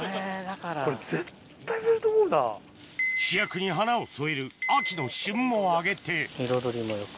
主役に花を添える秋の旬も揚げて彩りもよく。